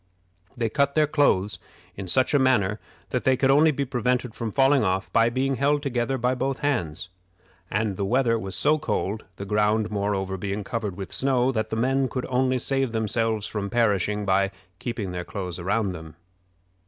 They cut their clothes in such a manner that they could only be prevented from falling off by being held together by both hands; and the weather was so cold the ground, moreover, being covered with snow that the men could only save themselves from perishing by keeping their clothes around them.